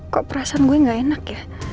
kok perasaan gue gak enak ya